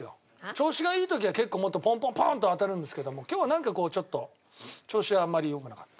調子がいい時は結構もっとポンポンポン！と当たるんですけども今日はなんかこうちょっと調子があんまり良くなかった。